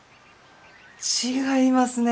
違いますね！